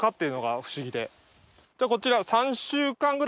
こちらが。